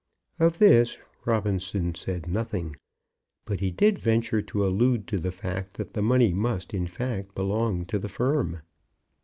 Of this Robinson said nothing, but he did venture to allude to the fact that the money must, in fact, belong to the firm.